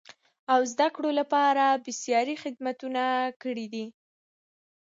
او زده کړو لپاره بېسارې خدمتونه کړیدي.